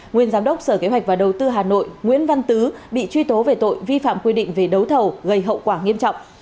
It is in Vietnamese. nguyên giám đốc sở kế hoạch và đầu tư hà nội nguyễn văn tứ bị truy tố về tội vi phạm quy định về đấu thầu gây hậu quả nghiêm trọng